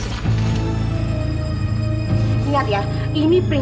siap perasaan kita sekarang